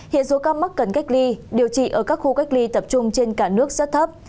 hiện số ca mắc cần cách ly điều trị ở các khu cách ly tập trung trên cả nước rất thấp